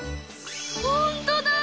ほんとだ！